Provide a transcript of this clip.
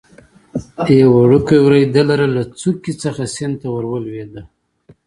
یو وړکی وری د لره له څوکې څخه سیند ته ور ولوېده.